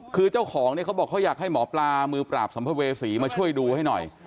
คือเจ้าของเนี่ยเขาบอกเขาอยากให้หมอปลามือปราบสัมภเวษีมาช่วยดูให้หน่อย